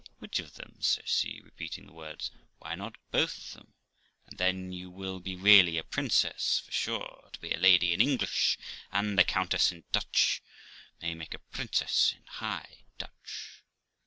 Which of them?' says she (repeating the words). 'Why not both of them? and then you will be really a princess; fur, sure, to be a lady in English and THE LIFE OF ROXANA 337 a countess in Dutch may make a princess in High Dutch.'